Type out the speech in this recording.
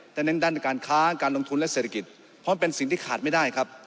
เน้นด้านการค้าการลงทุนและเศรษฐกิจเพราะมันเป็นสิ่งที่ขาดไม่ได้ครับ